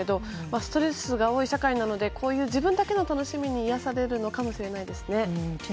ストレスが多い社会なのでこういう自分だけの楽しみに癒やされるのかもしれないですね。